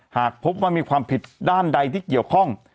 หากพบว่ามีความผิดด้านใดที่เกี่ยวข้อง